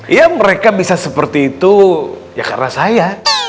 ya mereka bisa seperti itu ya karena saya